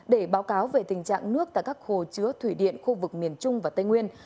để báo cáo về tình trạng nước tại các hồ chứa thủy điện khu vực miền trung và tây nguyên